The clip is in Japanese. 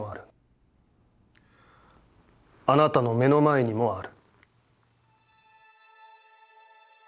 あなたの目の前にもある」。